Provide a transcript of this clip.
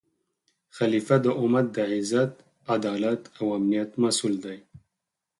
خلیفه د امت د عزت، عدالت او امنیت مسؤل دی